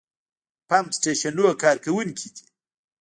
پمپ سټېشنونو کارکوونکي دي.